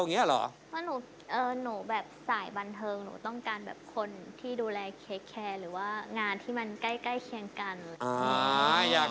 สวัสดีครับ